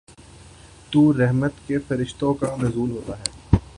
تو رحمت کے فرشتوں کا نزول ہوتا ہے۔